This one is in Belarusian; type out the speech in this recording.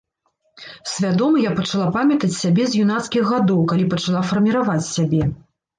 Свядома я пачала памятаць сябе з юнацкіх гадоў, калі пачала фарміраваць сябе.